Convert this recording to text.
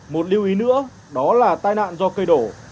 một lưu ý nữa đó là tai nạn do cây đổ